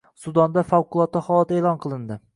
Sudanda favqulodda holat e’lon qilindi